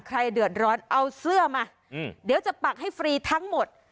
ใครเดือดร้อนเอาเสื้อมาเดี๋ยวจะปักให้ฟรีทั้งหมด